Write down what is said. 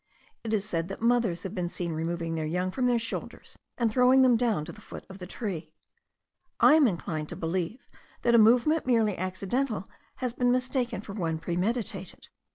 It is said that mothers have been seen removing their young from their shoulders, and throwing them down to the foot of the tree. I am inclined to believe that a movement merely accidental has been mistaken for one premeditated.